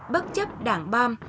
bất chấp đảng bom